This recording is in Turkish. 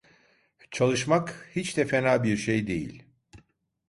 Çalışmak hiç de fena bir şey değil.